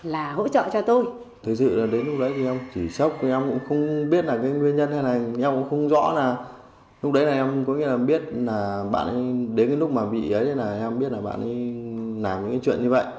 thủy sốc thì em cũng không biết là cái nguyên nhân hay là em cũng không rõ là lúc đấy là em có nghĩa là biết là bạn ấy đến cái lúc mà bị ấy là em biết là bạn ấy làm những cái chuyện như vậy